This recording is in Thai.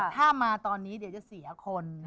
ถ้ามาตอนนี้เดี๋ยวจะเสียคน